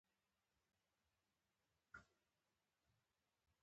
په سپينو زرو کې د نصاب اندازه دوه پنځوس نيمې تولې ده